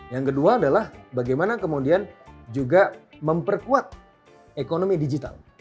yang kedua adalah bagaimana kemudian juga memperkuat ekonomi digital